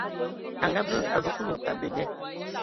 A ngaabɛ, a vǝǝ Kulu abɛ da.